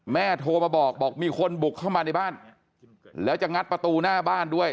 โทรมาบอกบอกมีคนบุกเข้ามาในบ้านแล้วจะงัดประตูหน้าบ้านด้วย